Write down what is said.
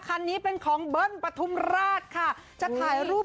คันนี้เป็นของเบิาร์ดจะถ่ายรูป